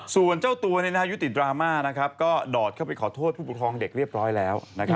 ส่วนเจ้าตัวยุติดราม่าก็ดอดเข้าไปขอโทษผู้ปกครองเด็กเรียบร้อยแล้ว